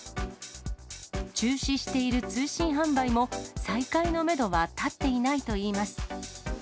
中止している通信販売も再開のメドは立っていないといいます。